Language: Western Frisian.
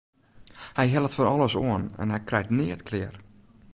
Hy hellet fan alles oan en hy krijt neat klear.